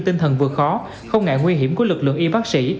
tinh thần vượt khó không ngại nguy hiểm của lực lượng y bác sĩ